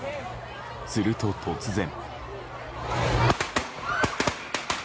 すると、突然。